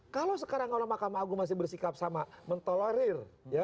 kalau sekarang makam agung masih bersikap sama mentolerir